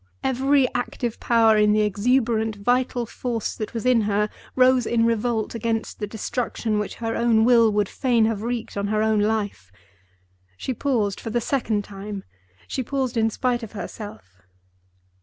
Every active power in the exuberant vital force that was in her rose in revolt against the destruction which her own will would fain have wreaked on her own life. She paused: for the second time, she paused in spite of herself.